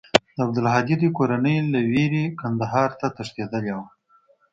د عبدالهادي دوى کورنۍ له وېرې کندهار ته تښتېدلې وه.